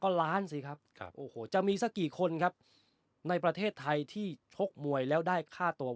ก็ล้านสิครับโอ้โหจะมีสักกี่คนครับในประเทศไทยที่ชกมวยแล้วได้ค่าตัว